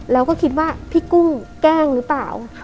แล้วก็คิดว่าพี่กุ้งแกล้งหรือเปล่า